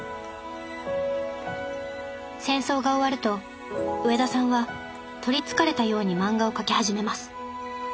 戦争が終わると上田さんは取りつかれたように漫画を描き始めます。